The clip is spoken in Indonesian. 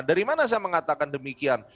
dari mana saya mengatakan demikian